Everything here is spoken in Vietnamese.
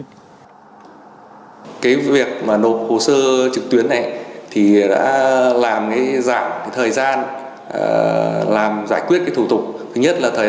hàn quyết bộ công an hà nội turkey